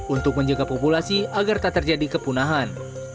untuk menjaga populasi agar tak terjadi kepunahan